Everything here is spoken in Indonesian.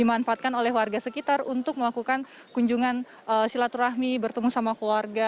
dimanfaatkan oleh warga sekitar untuk melakukan kunjungan silaturahmi bertemu sama keluarga